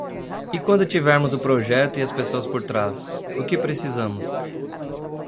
E quando tivermos o projeto e as pessoas por trás, o que precisamos?